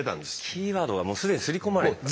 キーワードがもう既にすり込まれてた。